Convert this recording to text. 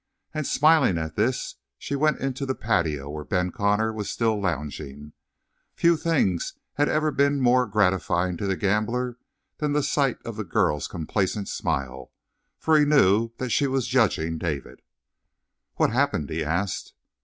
And smiling at this, she went into the patio where Ben Connor was still lounging. Few things had ever been more gratifying to the gambler than the sight of the girl's complacent smile, for he knew that she was judging David. "What happened?" he asked.